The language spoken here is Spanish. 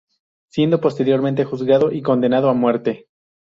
Siendo posteriormente juzgado y condenado a muerte.